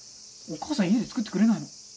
お母さん家で作ってくれないの？